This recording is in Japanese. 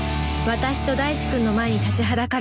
私と大志くんの前に立ちはだかる壁。